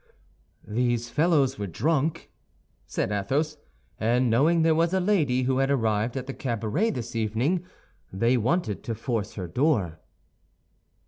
"These fellows were drunk," said Athos, "and knowing there was a lady who had arrived at the cabaret this evening, they wanted to force her door."